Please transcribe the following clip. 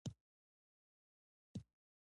ولادت خونې ته ورغلم، جميله پر یو کټ باندې پرته وه.